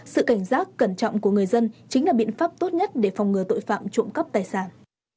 sự cảnh giác cẩn trọng của người dân chính là biện pháp tốt nhất để phòng ngừa tội phạm trộm cắp tài sản